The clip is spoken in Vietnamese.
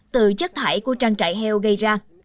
từ chất thải của trang trại heo gây ra